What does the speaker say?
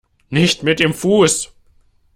Nicht mit dem Fuß!